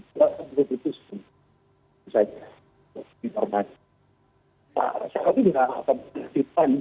saya juga akan beristipan